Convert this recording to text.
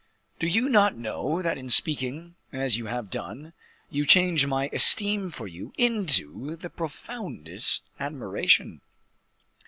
"Do you not know that in speaking as you have done, you change my esteem for you into the profoundest admiration?"